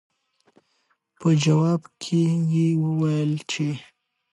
پۀ جواب کښې يې وويل چې